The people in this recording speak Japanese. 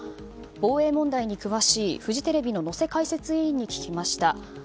防衛問題に詳しいフジテレビの能勢解説委員に聞きました。